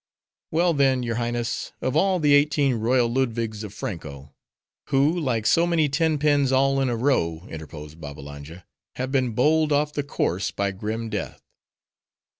"Well, then, your Highness, of all the eighteen royal Ludwigs of Franko—" "Who like so many ten pins, all in a row," interposed Babbalanja— "have been bowled off the course by grim Death."